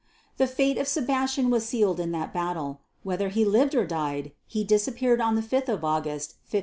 The fate of Sebastian was sealed in that battle. Whether he lived or died, he disappeared on 5 August, 1578.